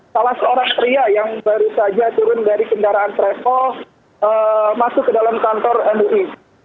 salah seorang pria yang baru saja turun dari kendaraan travel masuk ke dalam kantor mui